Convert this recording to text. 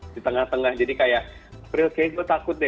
di tengah tengah jadi kayak april kayak gue takut deh